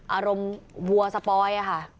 อารมณ์วัวสปอยค่ะ